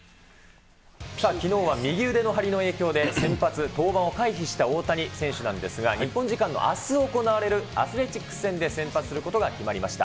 さあ、きのうは右腕の張りの影響で先発登板を回避した大谷選手なんですが、日本時間のあす行われるアスレチックス戦で先発することが決まりました。